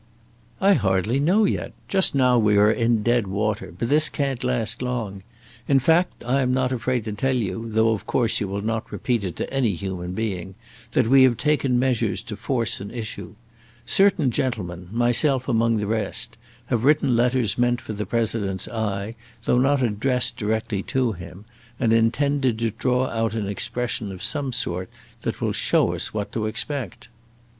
"I hardly know yet. Just now we are in dead water; but this can't last long. In fact, I am not afraid to tell you, though of course you will not repeat it to any human being, that we have taken measures to force an issue. Certain gentlemen, myself among the rest, have written letters meant for the President's eye, though not addressed directly to him, and intended to draw out an expression of some sort that will show us what to expect."